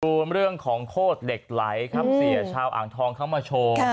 ดูเรื่องของโคตรเหล็กไหลครับเสียชาวอ่างทองเขามาโชว์